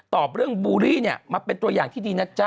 ตอบเรื่องบูลลี่เนี่ยมาเป็นตัวอย่างที่ดีนะจ๊ะ